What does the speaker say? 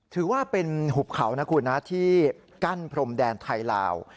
ถือว่าเป็นหุบเขานะคุณนะที่กั้นพรมแดนไทยลาว